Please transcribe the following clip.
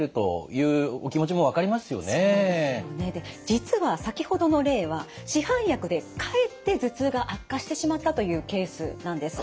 実は先ほどの例は市販薬でかえって頭痛が悪化してしまったというケースなんです。